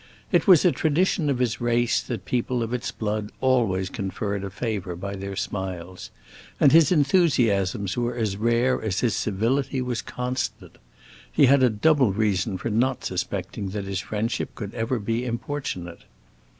It was a tradition of his race that people of its blood always conferred a favor by their smiles, and as his enthusiasms were as rare as his civility was constant, he had a double reason for not suspecting that his friendship could ever be importunate.